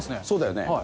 そうだよね。